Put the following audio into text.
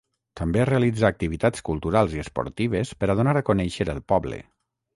També realitza activitats culturals i esportives per a donar a conèixer el poble.